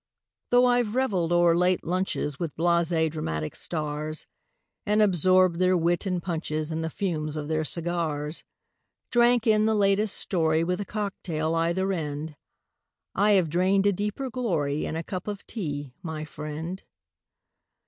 Though I've reveled o'er late lunches With blasé dramatic stars, And absorbed their wit and punches And the fumes of their cigars Drank in the latest story, With a cock tail either end, I have drained a deeper glory In a cup of tea, my friend.